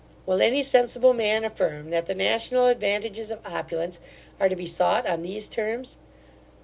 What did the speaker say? Will any sensible man affirm, that the national advantages of opulence are to be sought on these terms?